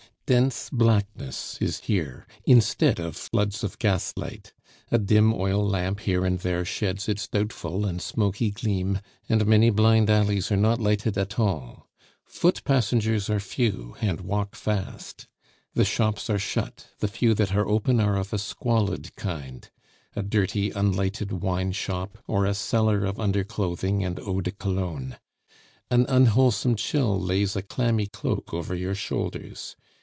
Dense blackness is here, instead of floods of gaslight; a dim oil lamp here and there sheds its doubtful and smoky gleam, and many blind alleys are not lighted at all. Foot passengers are few, and walk fast. The shops are shut, the few that are open are of a squalid kind; a dirty, unlighted wineshop, or a seller of underclothing and eau de Cologne. An unwholesome chill lays a clammy cloak over your shoulders.